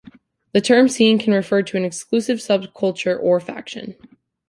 The term "scene" can refer to an exclusive subculture or faction.